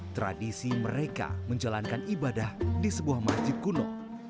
tradisi mereka menjalankan ibadah di sebuah masjid kuno